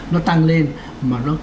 nó tăng lên mà nó